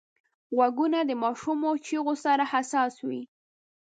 غوږونه د ماشومو چیغو سره حساس وي